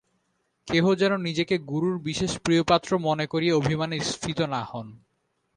কেহ যেন নিজেকে গুরুর বিশেষ প্রিয়পাত্র মনে করিয়া অভিমানে স্ফীত না হন।